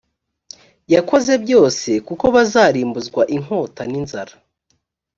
yakoze byose kuko bazarimbuzwa inkota n inzara